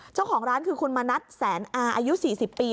เจ้าของร้านคือคุณมณัฐแสนอาอายุ๔๐ปี